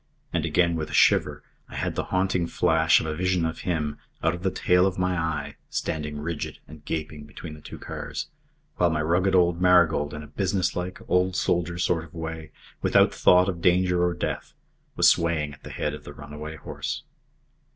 And again, with a shiver, I had the haunting flash of a vision of him, out of the tail of my eye, standing rigid and gaping between the two cars, while my rugged old Marigold, in a businesslike, old soldier sort of way, without thought of danger or death, was swaying at the head of the runaway horse.